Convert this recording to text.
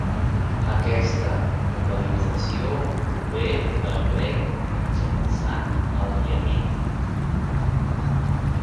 Aquesta vocalització prové del grec mitjançant el llatí.